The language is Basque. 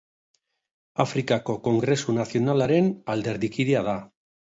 Afrikako Kongresu Nazionalaren alderdikidea da.